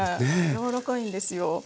やわらかいんですよ。